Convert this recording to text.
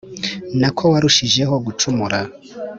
nako warushijeho gucumura